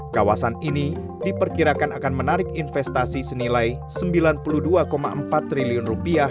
kawasan ini diperkirakan akan menarik investasi senilai rp sembilan puluh dua empat triliun